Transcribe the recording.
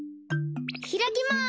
開きまーす！